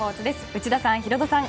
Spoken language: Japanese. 内田さん、ヒロドさん